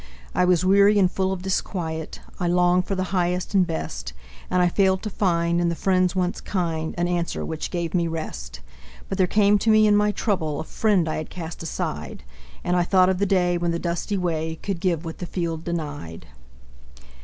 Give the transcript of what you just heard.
I was weary and full of disquiet; I long for the highest and best; And I failed to find, in the friends once kind, An answer which gave me rest. But there came to me in my trouble A friend I had cast aside, And I thought of the day when the dusty way Could give what the field denied.